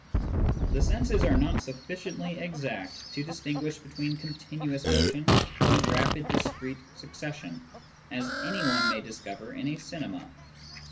The senses are not sufficiently exact to distinguish between continuous motion and rapid discrete succession, as anyone may discover in a cinema.